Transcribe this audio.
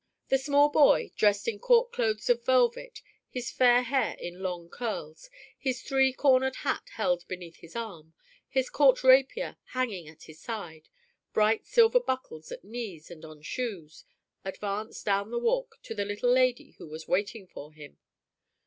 The small boy, dressed in court clothes of velvet, his fair hair in long curls, his three cornered hat held beneath his arm, his court rapier hanging at his side, bright silver buckles at knees and on shoes, advanced down the walk to the little lady who was waiting for him.